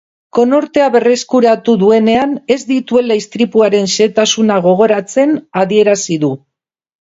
Konortea berreskuratu duenean ez dituela istripuaren xehetasunak gogoratzen adierazi du.